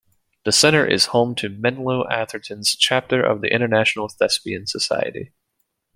The Center is home to Menlo-Atherton's chapter of the International Thespian Society.